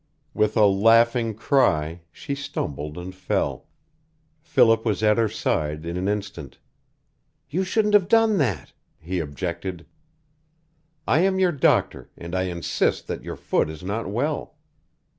With a laughing cry, she stumbled and fell. Philip was at her side in an instant. "You shouldn't have done that," he objected. "I am your doctor, and I insist that your foot is not well."